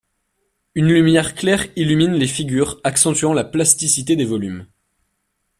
Une lumière claire illumine les figures accentuant la plasticité des volumes.